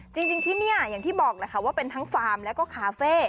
จริงที่นี่อย่างที่บอกแหละค่ะว่าเป็นทั้งฟาร์มแล้วก็คาเฟ่